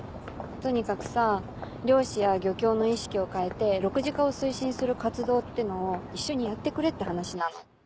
とにかくさ漁師や漁協の意識を変えて６次化を推進する活動ってのを一緒にやってくれって話なの。